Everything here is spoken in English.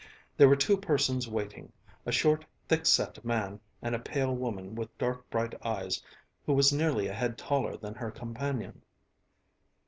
There were two persons waiting, a short, thick set man and a pale woman with dark, bright eyes who was nearly a head taller than her companion.